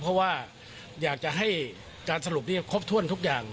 เพราะว่าอยากจะให้การสรุปนี้ครบถ้วนทุกอย่าง